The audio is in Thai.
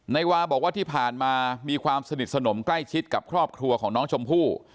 นายวาบอกว่าที่ผ่านมามีความสนิทสนมใกล้ชิดกับครอบครัวของน้องชมพู่